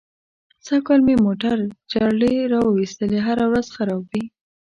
سږ کال مې موټر جرړې را و ایستلې. هره ورځ خراب وي.